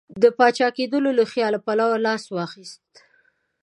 د پاچا کېدلو له خیال پلو لاس وانه خیست.